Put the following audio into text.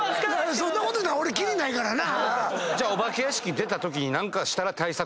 そんなこと言うたら俺切りないからな。